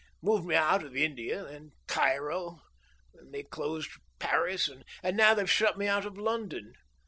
Moved me out of India, then Cairo, then they closed Paris, and now they've shut me out of London.